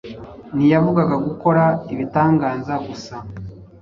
Ntiyavugaga ku gukora ibitanganza gusa;